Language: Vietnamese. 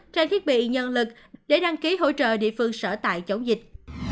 trang thiết bị nhân lực để đăng ký hỗ trợ địa phương sở tại chống dịch